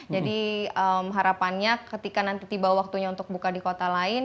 jadi harapannya ketika nanti tiba waktunya untuk buka di kota lain